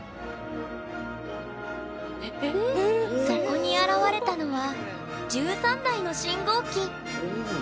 そこに現れたのは１３台の信号機。